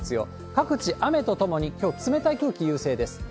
各地雨とともに、きょう、冷たい空気優性です。